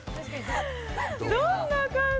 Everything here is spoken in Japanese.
どんな感じ？